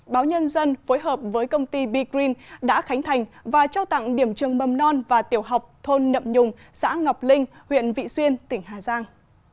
báo nhân dân phối hợp với công ty begreen đã khánh thành và trao tặng điểm trường mầm non và tiểu học thôn nậm nhùng xã ngọc linh huyện vị xuyên tỉnh hà giang